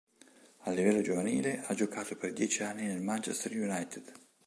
A livello giovanile, ha giocato per dieci anni nel Manchester United.